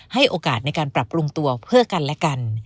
ให้โอกาสในการปรับปรุงตัวเพื่อกันและกัน